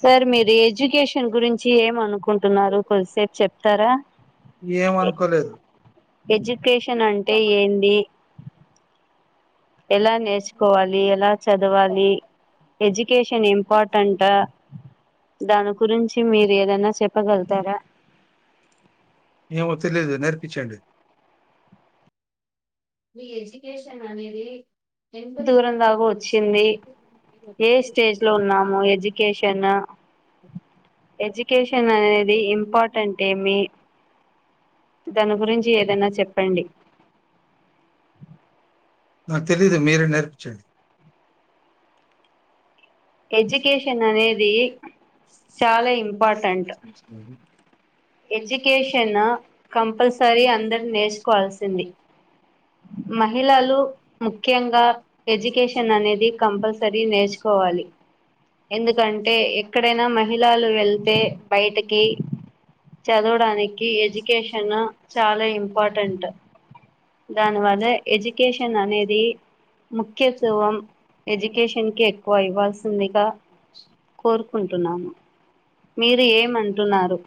Sir మీరు education గురించి ఏమ అనుకుంటున్నారు కొద్దిసేపు చెప్తారా ఎడ్యుకేషన్ అంటే ఏంది ఎలా నేర్చుకోవాలి ఎలా చదవాలి ఎడ్యుకేషన్ ఇంపార్టెంటా దాని గురించి మీరు ఏదైనా చె ప్పగలుతారా ఏమో తెలిదు నేర్పించండిషన్ అనేది ఎ దూరం దాకా వచ్చింది ఏ స్టేజ్లో ఉన్నాము ఎడ్యుకేషన్ ఎడ్యుకేషన్ అనేది ఇంపార్టెంట్ ఏమి దాని గురించి ఏదైనా చెప్పండి నాకు తెలీదు మీరే నేర్పించండి ఎడ్యుకేషన్ద చాలా ఇంపటెంట్ ఎడ్యుకేషన్ కంపల్సరీ అందరు నేర్చుకోవాల్సింది మహిళలు ముఖ్యంగా ఎడ్యుకేషన్ అనేది కంపల్సరీ నేర్చుకోవాలి ఎందుకంటే ఎక్కడైనా మహిళలు వెళ్తే బయటికి చదవడానికి ఎడ్యుకేషన్ చాలా ఇంపార్టెంట్ దాని వల్ల ఎడ్యుకేషన్ అనేదిత ఎడుకేషన్ ఎక్కువ అడ్వాన్స్ అనేంది మీరు ఏం అనుకున్నారు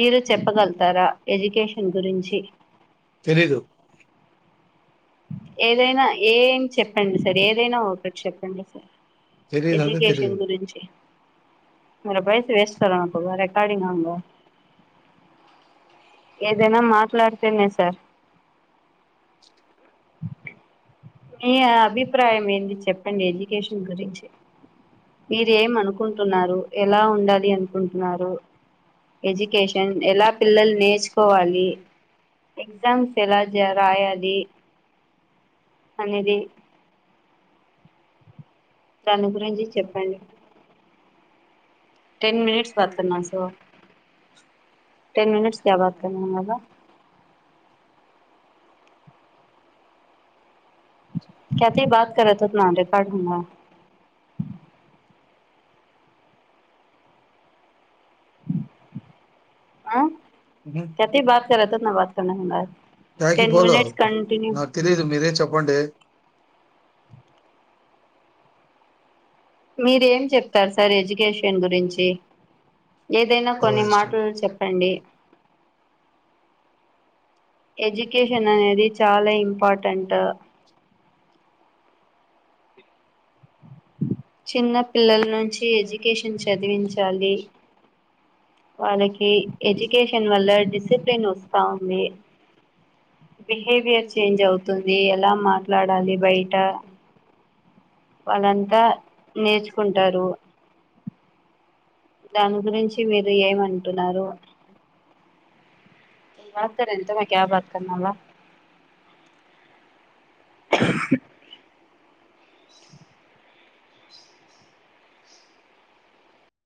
మీరు చెప్పగలుగుతారా ఎడ్యుకేషన్ర్షిప్ తెలీదు ఏదైనా ఏం చెప్పండి సార్ ఏదైనా ఒకరి చెప్పండి సార్ ఎడ్యుకేషన్ గురించి మర పైసు వేస్తారుకు రికార్డింగ్ంగ ఏదనా మాట్లాడుతేనే సార్ మీ అభిప్రాయం ఏంది చెప్పండి ఎడ్యుకేషన్ గురించి మీరు ఏమ అనుకుంటున్నారు ఎలా ఉండాలి అనుకుంటున్నారు ఎడ్యుకేషన్ ఎలా పిల్లలు నేర్చుకోవాలి ఎగ్జామ్స్ ఎలా రాయాలి అనేది దాని గురించి చెప్పండి టెన్ మినిట్స్ వత్తాన సో టెన్ మినిట్స్ వత్తనం కదా అదా యాటికి పోదాం నాకు తెలీదు మీరే చెప్పండి మీరు ఏం చెప్తారు సార్ ఎడ్యుకేషన్ గురించి ఏదైనా కొన్ని మాటలు చెప్పండి ఎడ్యుకేషన్ అనేది చాలా ఇంపార్టెంట్ చిన్న పిల్లల నుంచి ఎడ్యుకేషన్ చదివించాలి వాళ్ళకి ఎడ్యుకేషన్ వల్ల డిసిప్లేన్ వస్తా ఉంది బిహేవియర్ చేంజ్ అవుతుంది. ఎలా మాట్లాడాలి బయట వాళ్ళంతా నేర్చుకుంటారు దాని గురించి మీరు ఏమంటున్నారు ఆప్క [unintelligible] క్యా బాత్ కర్ణ అ